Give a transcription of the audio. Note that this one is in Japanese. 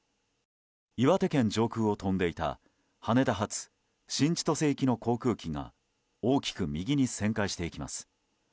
岩手県上空を飛んでいた羽田発新千歳行きの航空機が大きく右に旋回していきます。